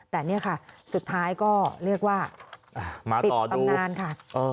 แต่นี่ค่ะสุดท้ายก็เรียกว่าปิดตำนานค่ะ